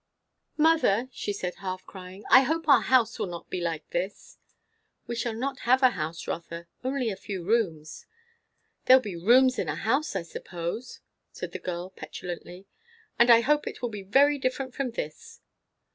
"Mother," she said half crying, "I hope our house will not be like this?" "We shall not have a house, Rotha; only a few rooms." "They'll be rooms in a house, I suppose," said the girl petulantly; "and I hope it will be very different from this."